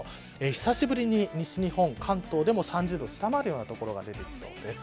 久しぶりに、西日本、関東でも３０度を下回るような所がありそうです。